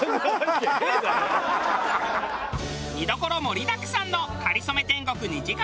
見どころ盛りだくさんの『かりそめ天国』２時間